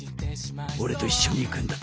俺と一緒に行くんだ。